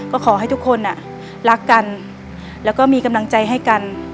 ก็ขอให้ทุกคนรักกันแล้วก็มีกำลังใจให้กัน